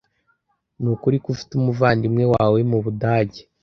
Nukuri ko ufite umuvandimwe wawe mubudage?